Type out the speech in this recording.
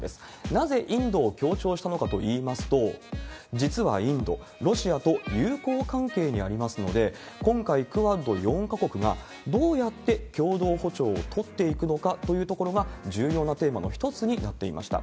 なぜインドを強調したのかといいますと、実はインド、ロシアと友好関係にありますので、今回、クアッド４か国がどうやって共同歩調を取っていくのかというところが、重要なテーマの一つになっていました。